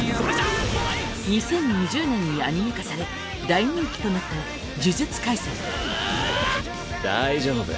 ２０２０年にアニメ化され大人気となった大丈夫。